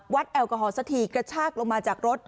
แอลกอฮอลสักทีกระชากลงมาจากรถ